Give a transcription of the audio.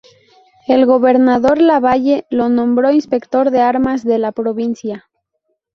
El gobernador Lavalle, lo nombró inspector de armas de la provincia.